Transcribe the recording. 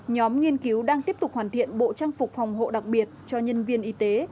nhóm nghiên cứu đang tiếp tục hoàn thiện bộ trang phục phòng hộ đặc biệt cho nhân viên y tế